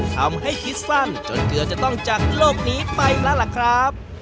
คิดสั้นจนเกือบจะต้องจากโลกนี้ไปแล้วล่ะครับ